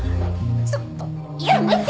ちょっとやめて！